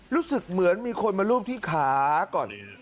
รู้สึกเหมือนมีคนมารูปที่ขาก่อน